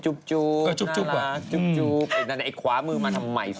จู๊บน่ารักจู๊บอย่างนั้นไอ้ขวามือมาทำใหม่สิ